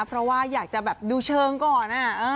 เพราะว่าอยากจะแบบดูเชิงก่อน